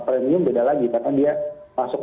premium beda lagi karena dia masuk